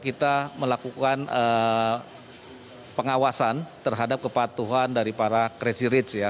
kita melakukan pengawasan terhadap kepatuhan dari para crazy rich ya